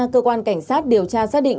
cơ quan cảnh sát điều tra xác định